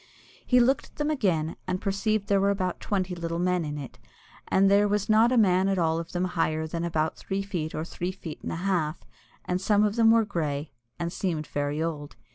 He looked at them again, and perceived that there were about twenty little men in it, and there was not a man at all of them higher than about three feet or three feet and a half, and some of them were grey, and seemed very old.